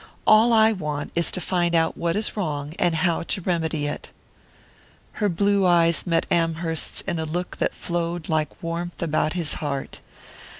All I want is to find out what is wrong and how to remedy it." Her blue eyes met Amherst's in a look that flowed like warmth about his heart.